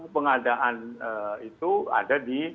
pengadaan itu ada di